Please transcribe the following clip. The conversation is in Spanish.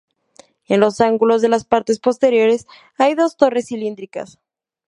En los ángulos de la parte posterior hay dos torres cilíndricas.